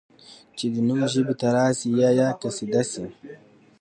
چي دي نوم ژبي ته راسي یا یا قصیده سي